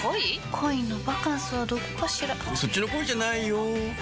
恋のバカンスはどこかしらそっちの恋じゃないよ